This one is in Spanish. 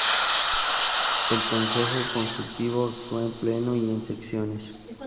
El Consejo Consultivo actúa en pleno y en secciones.